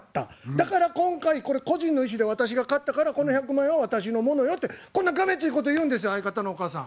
だから今回これ個人の意思で私が買ったからこの１００万円は私のものよ」ってこんながめついこと言うんですよ相方のお母さん。